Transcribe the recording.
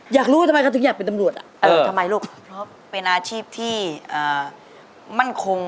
อยากเป็นตำรวจเหมือนกันครับ